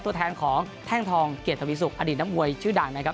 ตัวแทนของแท่งทองเกียรติทวีสุกอดีตนักมวยชื่อดังนะครับ